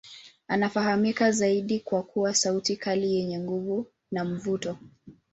Anafahamika zaidi kwa kuwa sauti kali yenye nguvu na mvuto.